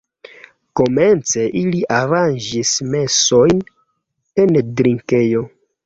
Komence ili aranĝis mesojn en drinkejo.